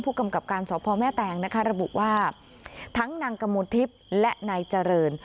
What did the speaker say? กำกับการสพแม่แตงนะคะระบุว่าทั้งนางกมลทิพย์และนายเจริญ